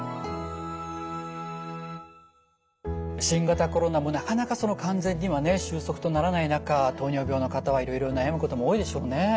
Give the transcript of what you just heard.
新型コロナもなかなかその完全にはね終息とならない中糖尿病の方はいろいろ悩むことも多いでしょうね。